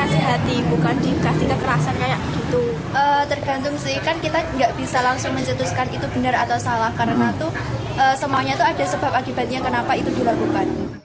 semuanya itu ada sebab akibatnya kenapa itu dilakukan